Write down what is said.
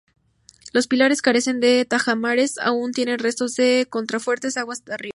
Los pilares carecen de tajamares, aunque tienen restos de contrafuertes, aguas arriba.